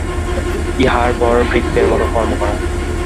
ইহার পর ভৃত্যের মত কর্ম করা।